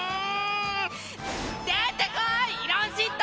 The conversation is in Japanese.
出てこいイロンシッド！